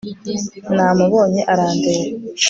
namubonye arandeba